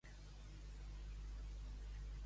Quin fet ha emfatitzat Nogueras?